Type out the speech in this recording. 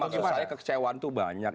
tapi saya kekecewaan itu banyak